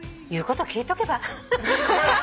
言うこと聞いとけば？